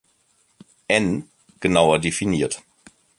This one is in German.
N" genauer definiert.